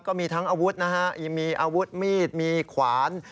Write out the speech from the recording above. ก็มีทั้งอาวุธนะฮะมีอาวุธมีดมีขวาน